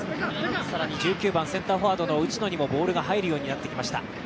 更に１９番センターフォワードの内野にもボールが入るようになってきました。